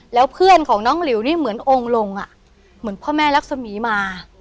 แล้วเพื่อนของน้องหลิวนี่เหมือนองค์ลงอ่ะเหมือนพ่อแม่รักษมีมา